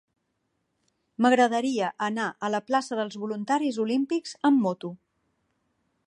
M'agradaria anar a la plaça dels Voluntaris Olímpics amb moto.